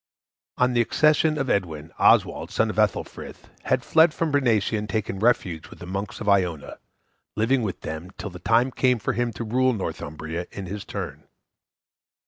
On the accession of Edwin, Oswald, son of Ethelfrith, had fled from Bernicia and taken refuge with the monks of Iona, living with them till the time came for him to rule Northumbria in his turn.